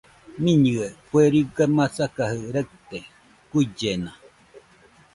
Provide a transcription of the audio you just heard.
Mɨnɨe kue riga masakajɨ raɨte, guillena